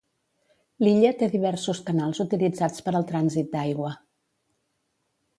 L'illa té diversos canals utilitzats per al trànsit d'aigua.